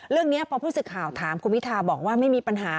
เรื่องนี้พอผู้สื่อข่าวถามคุณพิทาบอกว่าไม่มีปัญหา